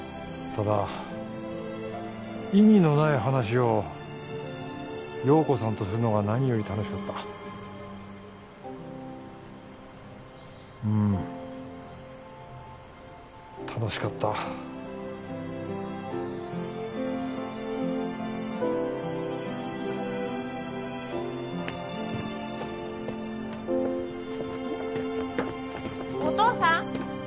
ただ意味のない話を陽子さんとするのが何より楽しかったうん楽しかったお父さん！